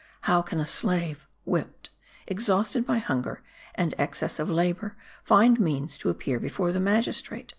How can a slave, whipped, exhausted by hunger, and excess of labour, find means to appear before the magistrate?